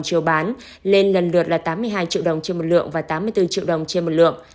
chiều bán lên lần lượt là tám mươi hai triệu đồng trên một lượng và tám mươi bốn triệu đồng trên một lượng